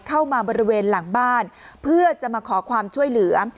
เข้ามาบริเวณหลังบ้านเพื่อจะมาขอความช่วยเหลือ